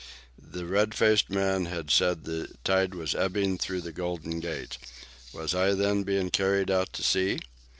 The red faced man had said that the tide was ebbing through the Golden Gate. Was I, then, being carried out to sea?